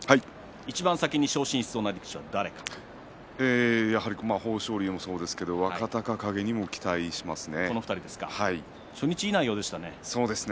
いちばん先に昇進しそうな力士は豊昇龍もそうですし初日、いい内容でしたね。